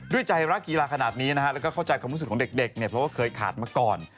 ด้วยใจรักกีฬาขนาดนี้นะฮะแล้วก็เข้าใจความรู้สึกของเด็กเนี่ยเพราะว่าเคยขาดมาก่อน